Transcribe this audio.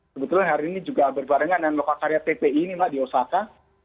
sebetulnya hari ini juga berbarengan dengan lokakarya ppi ini mbak di osaka